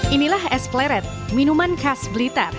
inilah es pleret minuman khas blitar